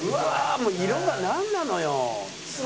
もう色がなんなのよ！？